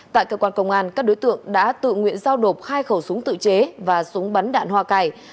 tại cơ quan công an các đối tượng đã tự nguyện giao nộp hai khẩu súng tự chế và súng bắn đạn hoa cải